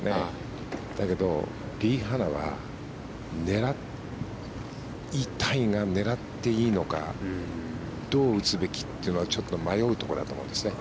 だけど、リ・ハナは狙いたいが狙っていいのかどう打つべきっていうのはちょっと迷うところだと思うんですね。